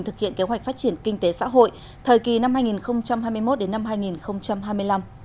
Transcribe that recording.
thực hiện kế hoạch phát triển kinh tế xã hội thời kỳ năm hai nghìn hai mươi một đến năm hai nghìn hai mươi năm